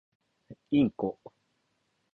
インコ